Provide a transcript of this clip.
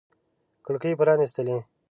کړکۍ پرانیستلي